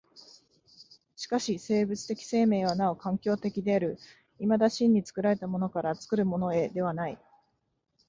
しかし生物的生命はなお環境的である、いまだ真に作られたものから作るものへではない。